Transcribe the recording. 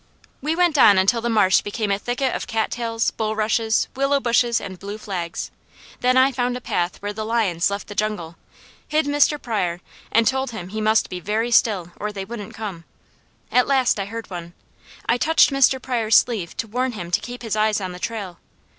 We went on until the marsh became a thicket of cattails, bulrushes, willow bushes, and blue flags; then I found a path where the lions left the jungle, hid Mr. Pryor and told him he must be very still or they wouldn't come. At last I heard one. I touched Mr. Pryor's sleeve to warn him to keep his eyes on the trail.